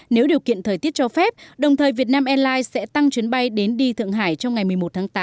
nếu điều kiện thời tiết cho phép đồng thời việt nam airlines sẽ tăng chuyến bay đến đi thượng hải trong ngày một mươi một tháng tám